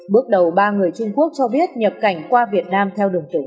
bước đầu ba người trung quốc cho biết nhập cảnh qua việt nam theo đường kỳ